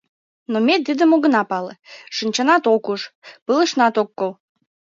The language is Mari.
Но ме тидым огына пале, шинчанат ок уж, пылышнат ок кол...